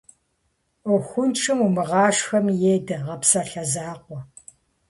Ӏуэхуншэм умыгъашхэми едэ, гъэпсалъэ закъуэ.